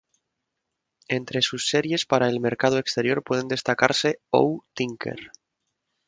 Entre sus series para el mercado exterior pueden destacarse "Oh, Tinker!